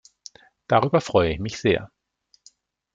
Darüber freue ich mich sehr.